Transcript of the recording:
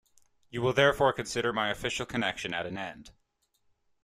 You will therefore consider my official connection at an end.